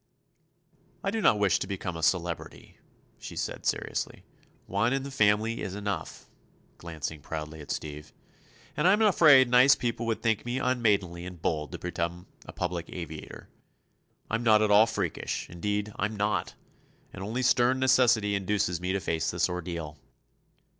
"I do not wish to become a celebrity," she said, seriously. "One in the family is enough," glancing proudly at Steve, "and I'm afraid nice people would think me unmaidenly and bold to become a public aviator. I'm not at all freakish—indeed, I'm not!—and only stern necessity induces me to face this ordeal."